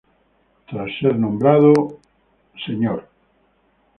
Tras ser nombrado Mr.